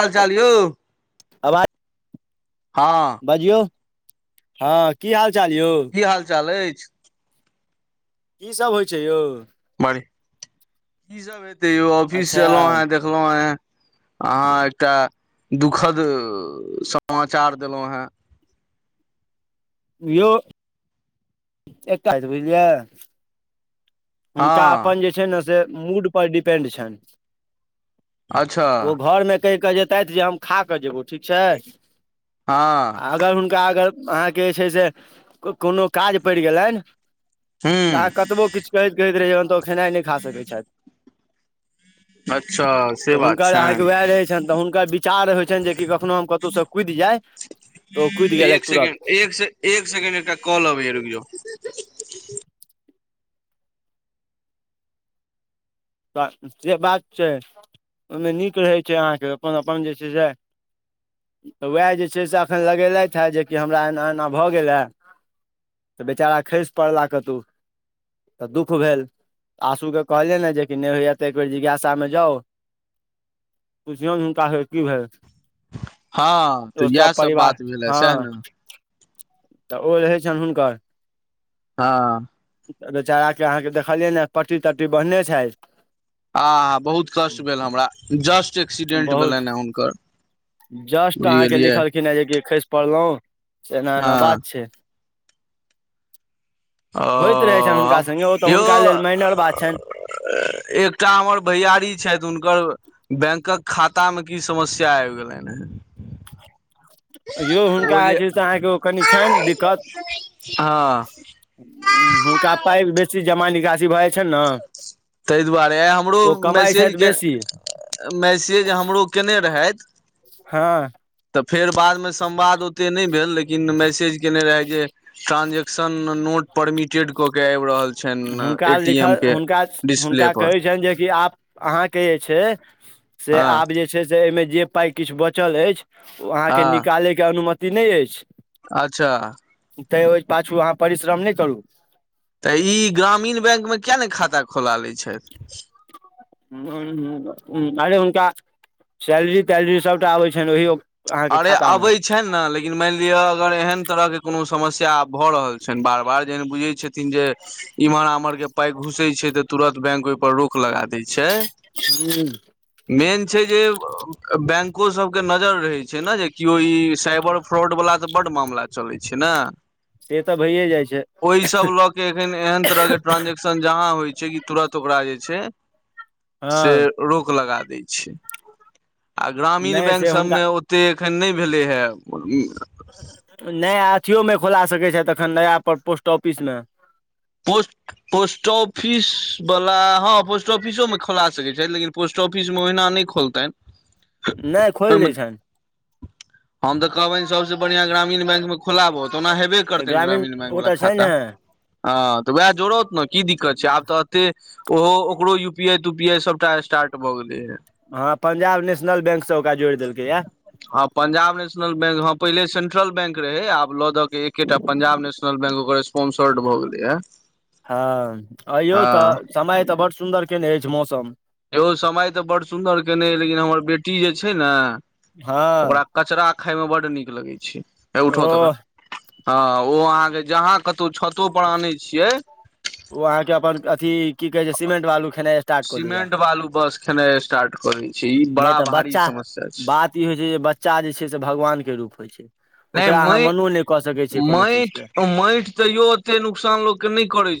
हाल चाल यौ आवाज [inaudible] हँ बजियौ हँ की हाल चाल यौ की हाल चाल एछ की सब होइ छै यौ बढिया की सब हेतै यौ ऑफिस अच्छा से एलहु हैं देखलहुं हैं अहाँ एकटा दुखद समाचार देलहुँ हेँ यौ एकटा बुझलियै हुनका हँ अपन जे छै ने से मूडपर डिपेंड छनि अच्छा ओ घरमे कहि कऽ जेतेथ जे हम खा कऽ जेबो ठीक छै हँ अगर हुनका अगर अहाँके जे छै से कोनो काज पेड़ गेलनि अहाँ हूँ कतबो किछु कहैत कहैत रैह जेबै तऽ ओ खेनाइ नहि खा सकैत छथि अच्छा से बात हुनकर अहाँके उएह छनि रहे छनि तऽ हुनकाच चार होइ छनि जेक कखनो हम कतहुसँ कुदि जाय तऽ ओ कुदि गेलै एक सेकेंड तुरत एक से एक सेकेंड एकटा कॉल अबैय रुकि जाउ तऽ से बात छै ओहिमे नीक रहै छै अहाँके अपन अपन जे छै से तऽ उएह जे छै से एखन लगेलथि हे जेकि हमरा एना एना भऽ गेलए बेचारा खसि पड़ला कतहु दुःख भेल आसू के कहलियै ने जे नहि होइया तऽ एक बेेर जिज्ञासामे जाउ बुझियौ हुनका की भेलै हँ तऽ ओ इएह सब परिवार बात भेले हँ सएह ने तऽ ओ रहै छै हुनकर हँ बेचारा के अहाँके देखलियै ने पट्टी तट्टी बढ़ने छैथ आ हा बहुत कष्ट भेल हमरा जस्ट एक्सीडेंट बहुत भेलनि हुनकर जस्ट बुझि अहाँ के गेलियै लिखलखिन ह जेक खेस पड़लहु एना एना हँ बात छै ओ होइत रहैत छनि हुनका हम सङ्गे ओ तऽ यौ हुनका लेल माइनर बात छनि एकटा हमर भैयरी छथि हुनकर बैंकक खाता मे की समस्या आब गेलनि हे यौ ओ हुनका जे होइ छै से अहाँके ओ कनि छनि दिक्कत हँ हूँ हुनका पाइ बेसी जमा निकासी भए जाय तै दुआरे आइ हमरो ओ कमाइ छथि मैसेजके बेसी मैसेज हमरो कयने रहथि हँ तऽ फेर बादमे संवाद ओते नय भेल लेकिन मैसेज केयने रहय जे ट्रांजेक्शन नोट परमिटेड क के आबि रहल छनि हुनका ए टी एम लिखल के हुनका डिस्प्ले हुनका पर कहै छनि जेकि आप अहाँके जे छै से हँ आब जे जे छै से एहिमे जे पाइ किछु बचल अछि ओ अहाँके हँ निकालैके अनुमति नय अछि अच्छा तै ओहि पाछू अहाँ परिश्रम नहि करू तऽ ई ग्रामीण बैंक मे किया ने खाता खोला लै छथि हूं हूं हूं अरे हुनका सैलरी तैलरी सभटा आबै छनि ओहियो अरे अबै छनि ने लेकिन मानि लिअ अगर एहन तरहके कोनो समस्या आब भऽ रहल छनि बार बार जेहन बुझैत छथि न जे इम्हर आमहर के पााय घुसे छै ते तुरत बैंक ओय पर रोक लगा देय छै हूँ मेन छै जे बैंको सब के नजर रहय छै ने जे केओ ई साइबर फ्रॉड वला तऽ बड्ड मामला चलै छै न से तऽ भइए जाइ छै ओहि सब लऽ के अखन ऐहन तरह के ट्रांजेक्शन जहाँ होइ छै कि तुरत ओकरा जे छै से हँ रोक लगा दै छै आ ग्रामीण नहि बैंक से हुनका सबमे ओ ते एखन नहि भेले हे नया अथियो मे खोला सकैत छथि एखन नया पोस्ट ऑफिस मे पोस्ट पोस्ट ऑफिस बला हँ पोस्ट ऑफिसो मे खोला सकैत छै लेकिन पोस पोस्ट ऑफिस मे ओहिना नहि खोलतनि नय खोल ओहिमे देय छन हम तऽ कहबनि सबसे बढ़ियां ग्रामीण बैंक मे खोलाबोथ ओना हेबे तऽ करते ग्रामीण बैंक ओ वला तऽ छै खाता ने ह तऽ वएह जोड़त ने की दिक्कत छै आब तऽ एते ओहो ओकरो यू पी आई तू पी आई सबटा स्टार्ट भऽ गेलै ये हँं पंजाब नेशनल बैंक से ओकरा जोड़ि देलकै ये हँ पंजाब नेशनल बैंक हँ पहिले सेंट्रल बैंक रहै आब लऽ दऽ क एकेटा पंजाब नेशनल बैंक ओकर स्पोंसर्ड भऽ गेले ये हँ अयौ तऽ समय तऽ बड सुन्दर केने अछि मौसम एगो समय तऽ बड़ सुन्दर केयने रहिये हमर बेटी जे छै ने हँ ओकरा कचरा खायमे बड्ड नीक लगै छै हे उठाऊ त कनी ओह हँ ओ अहाँके जहाँ कतहु छतो पर आनै छियै ओ अहाँके अपन अथी की कहे छै सिमेंट वालू खेनाइ स्टार्ट कऽ देय ये सीमेंट बालू बस खेनाइ स्टार्ट करे छै ई बड़ा भारी समस्या छै इ होइ छै जे बच्चा जे छै से भगवान के रूप होइ छै नहि ओकरा अहाँ मनो नहि कऽ सकै छियै कोनो चीज माइट के माइट तैयो ओते नुकसान लोक के नुकसान नय करय छै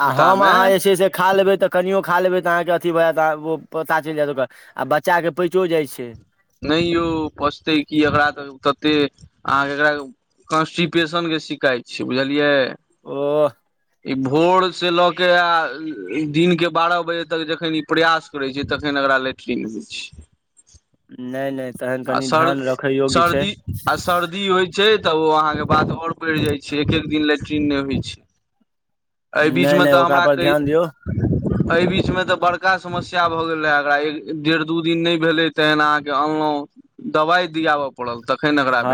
आ हम अहाँ जे छै से खा लेबै तऽ कनियओ खा लेबै तऽ अहाँके अथी भऽ जायत अहाँ ओ पता चलि जायत ओकर आ बच्चा के पइचो जाइ छै नहि यौ पचतै कि एकरा तऽ तते अहाँके एकरा कन्स्टिट्यशन के शिकायत छै बुझलियै। ओ। ई भोर से लऽ के आ दिन के बारह बजे तक जखन ई प्रयास करै छियै तखन एकरा लैट्रिंग दै छियै नहि नहि तहन कनि सर ध्यान रखैयोग्य छै। सर्दी आ सर्दी होइत छै तऽ ओ अहाँकेँ बात आओर बढ़ि जाइत छै एक एक दिन लैट्रिन नहि होइत छै एहि नहि बीचमे नहि तऽ ओकरा हमरा पर कह। ध्यान दियौ एहि बीच मे तऽ बड़का समस्या भऽ गेल रहे एकरा एक डेढ़ दू दिन नहि भेलै तेन अहाँकेँ अनलहुँ दवाई दियाबऽ पड़ल तऽ ह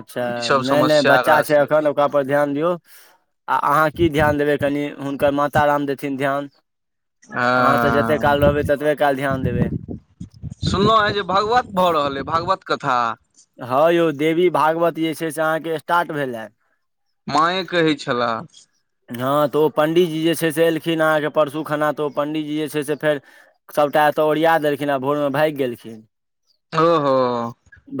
अच्छा ईसभ नहि नहि समस्या बच्चा एकरा छै। सने एखन ओकरा पर ध्यान दियौ आ अहाँ कि ध्यान देबै कनि हुनकर माता राम देथिन ध्यान अहाँ तऽ जते काल हँ रहबै ततबे काल ध्यान देबै। सुनलहुँ हे जे भागवत भऽ रहल अ भागवत कथा। हँ यौ देवी भागवत जे छै से अहाँकेँ स्टार्ट भेलए। माँए कहै छलाह। हँ तऽ ओ पण्डितजी जे छै से एलखिन अहाँकेँ परसू खाना तऽ ओ पण्डीजी जे छै से फेर सभटा एतय ओरिया देलखिन आ भोरमे भागि गेलखिन। ओहो।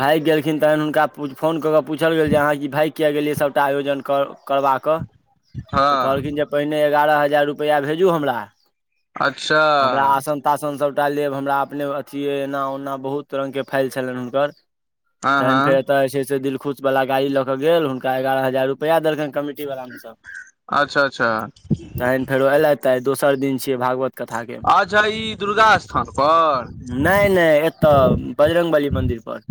भागि गेलखिन तखन हुनका फोन कऽ कऽ पूछल गेल जे अहाँ कि भागि किया गेलियै सभटा आयोजन कर करबाक क तऽ हँ कहलखिन जे पहिने एगारह हजार रुपआ भेजू हमरा अच्छा हमरा आसन। शाशन सभटा लेब हमरा अपने अथी एना ओना बहुत रंग के फाइल छलनि हुनकर। हँ न हँ फेरता ह ऐसे दिल खुद वला गाड़ी लऽ के गेल हुनका एगारह हजार रुपैआ देलखनि कमिटी वालला मे सभ अच्छा अच्छा। तहन फेरो एयलथि त आ दोसर दिन छियै भागवत। कथा के अच्छा ई दुर्गा स्थान पर नहि नहि एत बजरंग बली मन्दिर पर।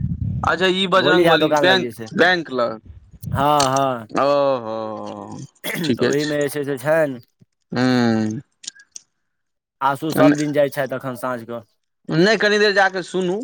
अच्छा ई भोली बजरंग झा बली दोकान लग जे बैक छै बैक हँ हँ लग ओ ओ तऽ ठीके छै ओहिमे जे से छनि ह आँसू सभ दिन जाइ छथि एखन साँझ नहि कनी देर जा कऽ सुनू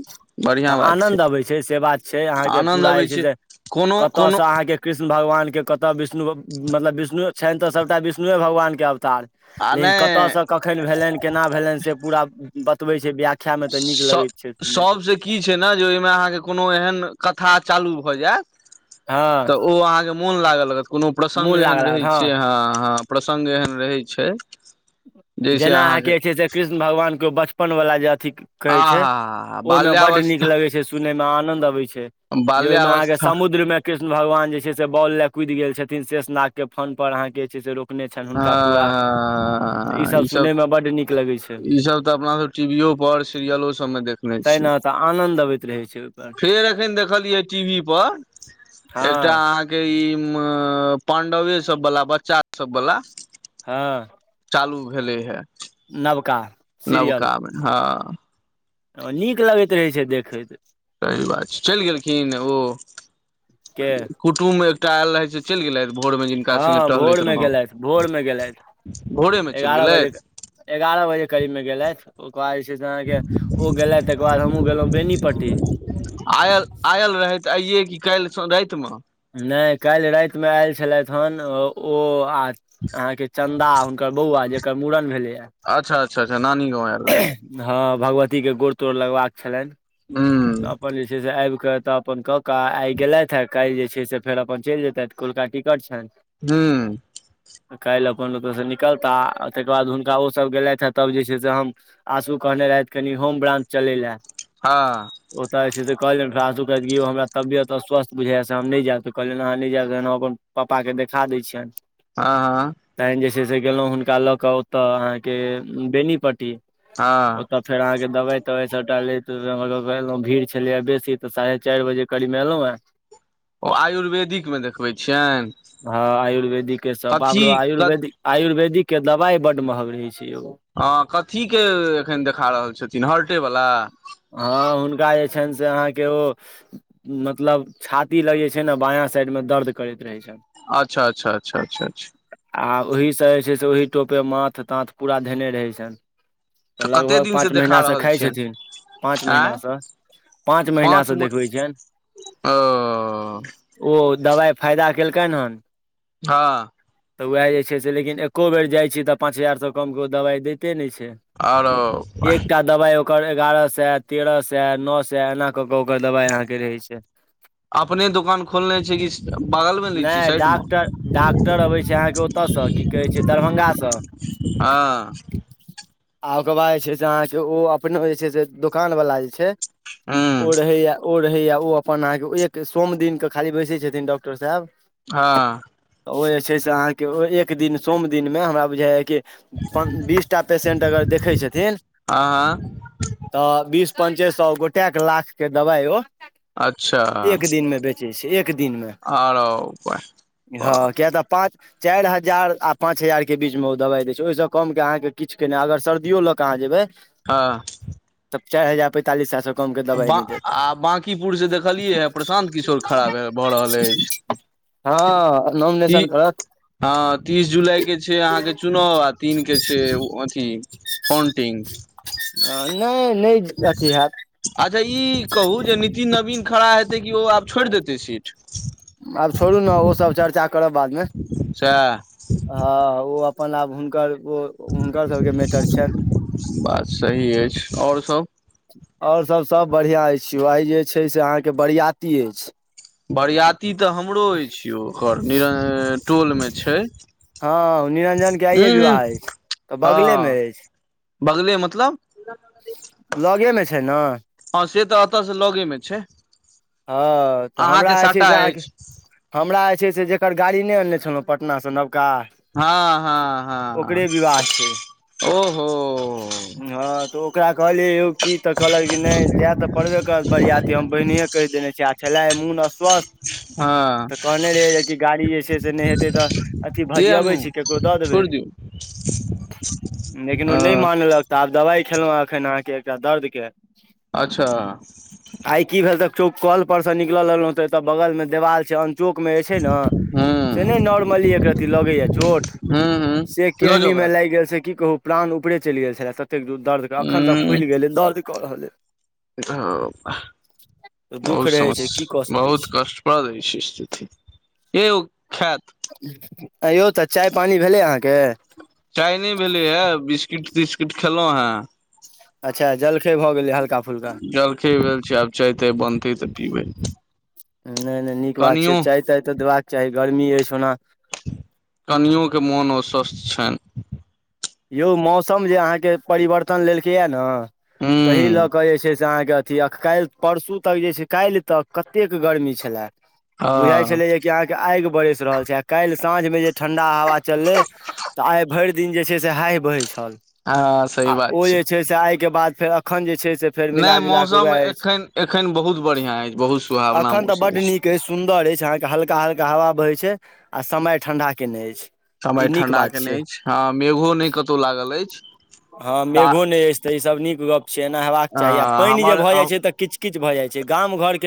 बढ़िआ बात छै आनंद अबै से बात छै अहाँके आनन्द पूरा जे अबैत छै से कोनो कोनो। कतयसँ अहाँके कृष्ण भगवानके कतऽ विष्णु मतलब विष्णु छनि तऽ सभटा विष्णुए भगवानके अवतार। आ लेकिन नहि कतयसँ कखन भेलनि केना भेलनि से पूरा बतबै छै व्य सुख्या मे तऽ नीक लगैत छै सुनैत। कि छै ने जे ओहिमे अहाँकेँ कोनो एहन कथा चालू भऽ जायत हँ। तऽ ओ अहाँकेँ मोन लागल लागत कोनो प्रसंग मोन एहन लागल रहै हँ छै ह ह प्रसङ्ग एहन रहै छै। जैसे जेना अहाँके अहाँकेँ जे छै से कृष्ण भगवान के बचपन वला जे अथि आ कहै छै हा हा ओहिमे बड्ड नीक बाल्यावस्था लगै छै। सुनय मे आनंद अबैत छै जे ओहिमे अहाँकेँ बाल्यावस्था समुद्र मे कृष्ण भगवान जे छै से बॉल लए कुदि गेल छथिन शेष नागके फन पर अहाँके जे छै से रोप। ने छनि हुनका पूरा। ईसभ इ सभ सुनयमे बड्ड नीक लगै छै ई सभ तऽ अपना सभ टीवी पर सीरियलो सभ मे देख तै छी ने तऽ आनन्द अबैत रहै छै ओहिपर फेर एखन देखलियै टीवी पर एकटा हँ अहाँकेँ ई पांडवे सभ वाला बच्चा सभ वाला हँ। चालू भेलै हे। नवका। नवका मे हँ ओ नीक लगैत रहै छै देखैत। सही बात छै चलि गेलखिन ओ के कुटुम्ब एकटा आयल रहे से चलि गेले। भोर मे जिनका हँ सगे भोर टहलैत मे रह गेलथि भोर मे गेलथि भोरे मे चलि एगारह बजे गेलथि। एगारह बजे करीब मे गेलथि। ओकर बाद जे छै से अहाँकेँ ओ गेलथि तकर बाद हमहूँ गेलहुँ बेनीपट्टी। आयल आयल रहैत आइयए कि काल्हि राति मे नहि काल्हि रातिमे आयल छलथि हेन ओ। अहा के चंन्दा हुनकर बौआ जेकर मुड़न भेले या अच्छा अच्छा नी वय रहल रहै हँ भगवती के गोड़ तोर लगबाक छलनि हूँ अपन जे छै से आबि कऽ तब। अपन कऽ कऽ आइ गेलथि हे काल्हि जे छै से फेर अपन चलि जेतथि कोलका टिकट छनि। हू। काल्हि अपन ओतयसँ निकलताह आ ताकर बाद हुनका ओसभ गेलथि हे तब जे छै से हम। आँसू कहने रहथि कनि होम ब्रांच चलय लए हँ। ओतय जे छै से कहलियनि फासौ हमरा तबियत स्वस्थ बुझाइ से हम नहि जायब तऽ कहलियनि अहाँ नहि जायब त पापा के देखा दै छियनि। हँ हँ। तखन जे छै से गेलहुँ हुनका लऽ कऽ ओतय अहाँकेँ बेनीपट्टी हँ। तब फेर अहाँकेँ दवाइ तवाइ सब डालैतलहुँ भीड़ छलैय बेसी तऽ साढ़े चारि बजे कड़ी महलो ओ आयुर्वेदिक मे देखबै छियनि हँ आयुर्वेदिके कथी सबो कथ आयुर्वेदिक आयुर्वेदिकके दवाइ बड़ महग रहै छै यगो कथी के एखन देखा रहल छथिन हर्टे वला? हँ हुनका जे छनि से अहाँकेँ ओ मतलब छाती लग जे छै ने बायाँ साइड मे दर्द करैत रहै छै। अच्छा अच्छा अच्छा आ ओहीसँ जे छै से ओहि टोपे माथ ताथ पूरा धेने रहैत छनि। त तऽ कते लगभग दिन से पाँच देखा महिनासँ रहल खाय छियनि छथिन। पाँच महीना आँय से पाँच महीना से देखबई छन। ओ ओ दबाइ फायदा केलकनि हैं हा तऽ उएह जे छै से लेकिन एको बेर जाइ छियै तऽ पाँच हजार सँ कमके ओ दबाइ दैते नहि छै आओरो बही दबाइ ओकर एगारह सए तेरह सए नओ सए एना कऽ कऽ ओकर दबाइ अहाँकेँ रहै छै। अपने दोकान खोलने छै कि बगल मे लै छी नय साइड मे डाक्टर डाक्टर आबय छय अहाँकेँ ओतयसँ कि कहै छै दरभंगासँ हँ आ ओकर बाद जे छै से अहाँकेँ ओ अपन जे छै से दोकान वला जे छै हूँ ओ रहे य ओ रहे य ओ अपन अहाँकेँ एक सोम दिनके खाली बैसै छथिन डॉक्टर साहेब हँ ओ जे छै से अहाँकेँ एक दिन सोम दिन मे हमरा बुझाइ है कि बीसटा पेसेंट अगर देखै छथिन आँ तऽ बीस पंचे सए गोटएके लाख के दवाइ ओ अच्छा एक दिनमे बेचै छै एक दिनमे आरो हँ किया तऽ पाँच चारि हजार आ पाँच हजारके बीचमे ओ दबाइ दै छै ओहिसँ कम कऽ अहाँकेँ किछु केना अगर सर्दि लऽ कऽ अहाँ जेयबै हँ तब चार हजार प ब आ बाँंकीपुर से देखलियै हे प्रशान्त किशोर खरा है होरहलय अछि हँ कि नॉमिनेशन करत तीस जुलाई के छय अहाँकेँ नओ आ तीन के छै अथी पन्टिंग नहि नहि अथि हैत अच्छा ई कहू जे नीतिन नवीन खड़ा हेतै कि ओ आब छोड़ि देतै सीट। आब छोड़ू ने ओसभ चर्चा करब बादमे। सएह हँ ओ अपन आब हुनकर ओ हुनकर सबके मैटर छियनि बात सही अछि आओर सभ आओर सभ सभ बढ़िआँ छी वही जे छै से अहाँकेँ बरियाती अछि। बरियाती तऽ हमरो अछि ओ ओकर निरन टोलमे छै। हँ निरंजनके आइे उहूं विवाह अछि तऽ बगलेमे अछि बगले मतलब ज लगेमे छै ने हँ से तऽ एतयसँ लगेमे छै हँ तऽ हमरा अहाँके जे छै साटा से अहाँकेँ अछि हमरा जे छै से जकर गाड़ी नहि अनने छलहुँ पटनासँ नबका हँ हँ हँ छै ओहो। हँ तऽ ओकरा कहलियै यौ की तऽ कहलक कि नहि जाय तऽ पड़बे करत बरिआती हम बहिने कहि देने छै आ छलै मोन अस्वस्थ। हँ तऽ कहने रहि कि गाड़ी जे छै से नहि हेतै तऽ अथी ये भजियबै अनु छी ककरो दऽ देबै [inaudible] लेकिन ओ नहि अ मानलक तऽ आब दबाइ खेलहुँ एखन अहाँकेँ एकटा दर्दके। अच्छा। आइ की भेल त चौ कल पर से निकल रहलूँ ते एतऽ बगल मे देवाल छै चौक मे जे छै ने हूं से नहि नॉर्मली एक रती लगे या चोट। हँ हँ। से केहनी मे लागि गेल से की कहू। प्राण ऊपरे चलि गेल छलै ततेक दर्द, अखन तक फुलि गेलै दर्द कऽ रहलै। ह अइ दुःख बहुत रहै समस छै की कऽ सकै बहुत छी कष्टप्रद होए छै स्थिति ए ओ खेत अयौ तऽ चाय पानी भेले अहाँकेँ चाय नहि भेलै हे बिस्किट तिस्किट खेलहु हूँ अच्छा जलखै भऽ गेलै हल्का फुलका। जलखे भेल छै आब चाय ताय बनतै तऽ पीबै। नहि नहि नीक बात कनियो छै चाय ताय तऽ देबाक चाही गर्मी अछि ओना। कनियो के मोन अस्वस्थ छनि। यौ मौसम जे अहाँकेँ परिवर्तन लेलकै यए ने हँ। एय लऽ कऽ जे छै से अहाँकेँ अथी काल्हि परसू तक जे छै काल्हि तक कतेक गर्मी छलै बुझाइत हँ छलै जेक अहाँकेँ आगि बरसि रहल छै आ काल्हि साँझमे जे ठण्डा हवा चललै तऽ आइ भरि दिन जे छै से हाहि बहै छल। हँ सही आ ओ बात जे छै से आइके बाद फेर अखन जे छै से फेर नहि मिला जुला कऽ मौसम उएह अछि एखन एखन बहुत बढ़िआँ अछि, बहुत सुहावना अखन तऽ मौसम बड्ड अछि। नीक सुन्दर अछि अहाँकेँ हल्का हल्का हवा बहय छै आ समय ठंडा केने अछि समय ई नीक ठण्डा बात केने छै अछि, हँ मेघो नहि कतहु लागल अछि। हँं ता मेघो नहि अछि तऽ ईसभ नीक गप्प छै एना हेबाक चाही आ पानि जे हमर भऽ हम जाइत छै तऽ किछु। किछु भऽ जाइ छै गाम घर के